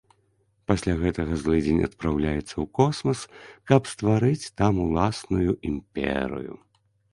Пасля гэтага злыдзень адпраўляецца ў космас, каб стварыць там уласную імперыю.